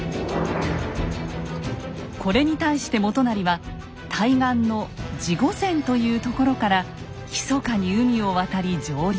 これに対して元就は対岸の地御前という所からひそかに海を渡り上陸。